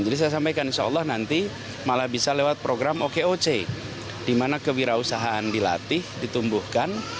jadi saya sampaikan insya allah nanti malah bisa lewat program okoc di mana kewirausahaan dilatih ditumbuhkan